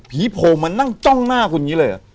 ผีโพงมานั่งจ้องหน้าคุณอย่างงี้เลย